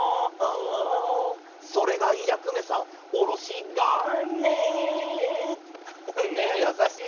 「それがやくめさおろしがね」ねえやさしい。